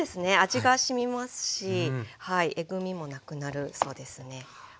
味がしみますしえぐみもなくなるそうですね。